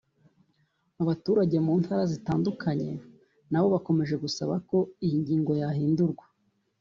Abaturage mu ntara zitandukanye na bo bakomeje gusaba ko iyi ngingo yahindurwa